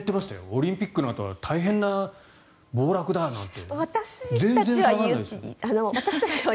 オリンピックのあとは大変な暴落だなんて。